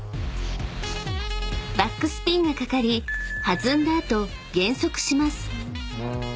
［バックスピンがかかり弾んだ後減速します］